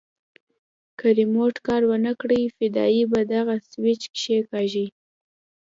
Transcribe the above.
که ريموټ کار ونه کړي فدايي به دغه سوېچ کښېکاږي.